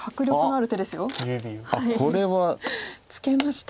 あっこれは。ツケました。